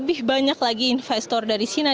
dan juga banyak lagi investor dari china